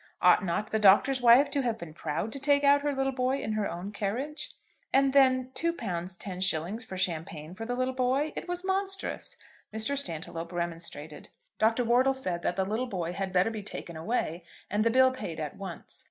Ought not the Doctor's wife to have been proud to take out her little boy in her own carriage? And then £2 10_s_. for champagne for the little boy! It was monstrous. Mr. Stantiloup remonstrated. Dr. Wortle said that the little boy had better be taken away and the bill paid at once.